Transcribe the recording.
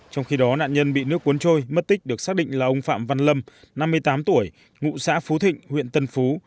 trong khi đó nạn nhân bị nước cuốn trôi mất tích được xác định là ông phạm văn lâm năm mươi tám tuổi ngụ xã phú thịnh huyện tân phú